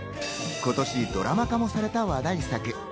今年ドラマ化もされた話題作。